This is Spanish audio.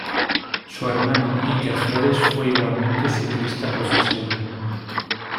Su hermano Iker Flores fue igualmente ciclista profesional.